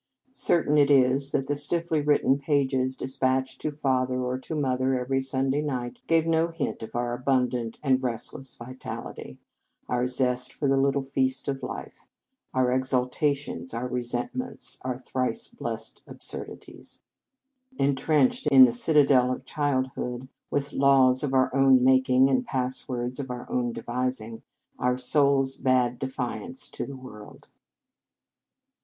Certain it is that the stiffly written pages despatched to father or to mo ther every Sunday night gave no hint of our abundant and restless vital ity, our zest for the little feast of life, our exaltations, our resentments, our thrice blessed absurdities. En trenched in the citadel of childhood, with laws of our own making, and passwords of our own devising, our souls bade defiance to the world.